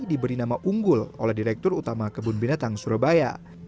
diberi nama unggul oleh direktur utama kebun binatang surabaya